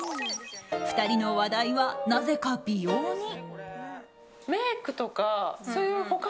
２人の話題は、なぜか美容に。